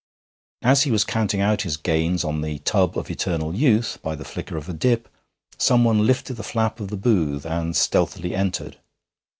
As he was counting out his gains on the tub of eternal youth by the flicker of a dip, someone lifted the flap of the booth and stealthily entered.